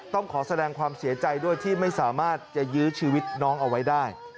ต้องขอแสดงความเสียใจด้วยที่ไม่สามารถจะยื้อชีวิตน้องเอาไว้ได้